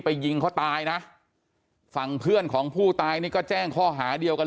ยิงเขาตายนะฝั่งเพื่อนของผู้ตายนี่ก็แจ้งข้อหาเดียวกัน